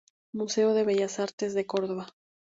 Museo de Bellas Artes de Córdoba.